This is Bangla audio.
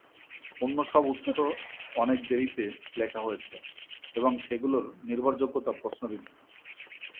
অন্য সব উৎস অনেক দেরিতে লেখা হয়েছে এবং সেগুলোর নির্ভরযোগ্যতা প্রশ্নবিদ্ধ।